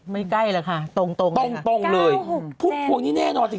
ไม่ใกล้เลยค่ะตรงเลยค่ะพุ่งพวงนี้แน่นอนจริง